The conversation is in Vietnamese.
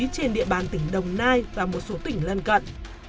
các tỉnh đồng nai và một số tỉnh lân cận